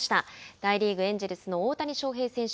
大リーグエンジェルスの大谷翔平選手。